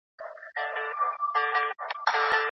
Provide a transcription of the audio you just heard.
کارپوهانو ټينګار وکړ چي په پوهنه بايد پانګونه وسي.